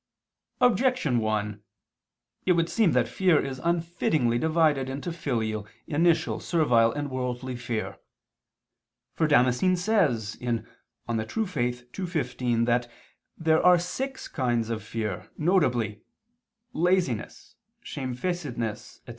Objection 1: It would seem that fear is unfittingly divided into filial, initial, servile and worldly fear. For Damascene says (De Fide Orth. ii, 15) that there are six kinds of fear, viz. "laziness, shamefacedness," etc.